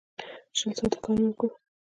شل ساعته کار مې وکړ.